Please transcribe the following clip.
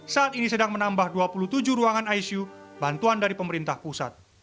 saat ini sedang menambah dua puluh tujuh ruangan icu bantuan dari pemerintah pusat